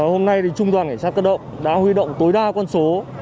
hôm nay thì trung tòa nghệ sát cất động đã huy động tối đa con số